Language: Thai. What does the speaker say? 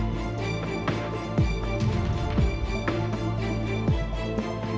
โดยโดยว่าพวกเราจะบริเวณแก่คลิปเดี่ยว